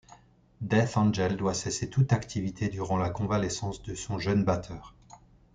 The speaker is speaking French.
Death Angel doit cesser toute activité durant la convalescence de son jeune batteur.